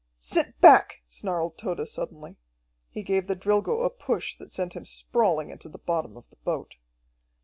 "Sit back!" snarled Tode suddenly. He gave the Drilgo a push that sent him sprawling into the bottom of the boat.